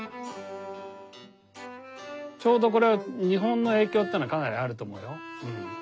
ちょうどこれ日本の影響ってのはかなりあると思うよ。